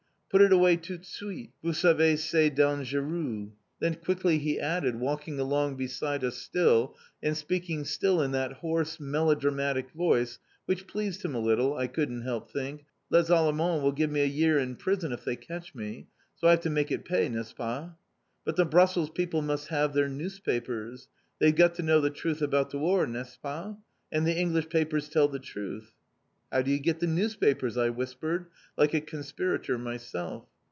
"Put it away toute suite, vous savez c'est dangereux." Then quickly he added, walking along beside us still, and speaking still in that hoarse, melodramatic voice (which pleased him a little, I couldn't help thinking), "Les Allemands will give me a year in prison if they catch me, so I have to make it pay, n'est ce pas? But the Brussels people must have their newspapers. They've got to know the truth about the war, n'est ce pas? and the English papers tell the truth!" "How do you get the newspapers," I whispered, like a conspirator myself.